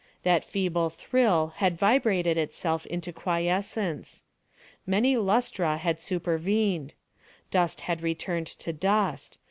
That feeble thrill had vibrated itself into quiescence. Many lustra had supervened. Dust had returned to dust.